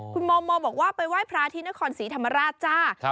คุณโมโมบอกว่าไปไหว้พระที่นครศรีธรรมราชจ้า